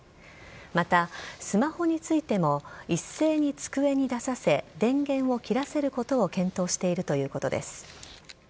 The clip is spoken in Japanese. またスマホについても一斉に机に出させ電源を切らせることを検討しているということです。